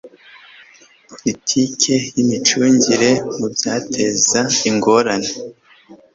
politiki y imicungire y ibyateza ingorane